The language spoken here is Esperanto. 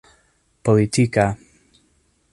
politika